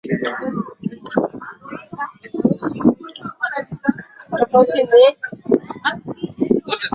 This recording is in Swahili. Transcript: watu wengi walimuuliza mfalme wao kuwa hawa ni wakina nani na ndio mfalme wa